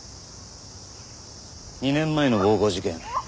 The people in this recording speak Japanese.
２年前の暴行事件